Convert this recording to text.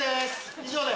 以上で。